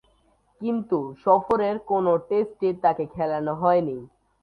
কিন্তু সফরের কোন টেস্টে তাকে খেলানো হয়নি।